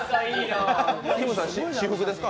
きむさん、私服ですか？